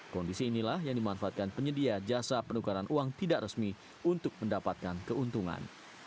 kondisi inilah yang dimanfaatkan penyedia jasa penukaran uang tidak resmi untuk mendapatkan keuntungan